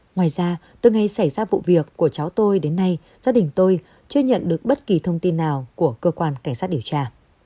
ngoài ra từ ngày xảy ra vụ việc của cháu tôi đến nay gia đình tôi chưa nhận được bất kỳ thông tin nào của cơ quan cảnh sát điều tra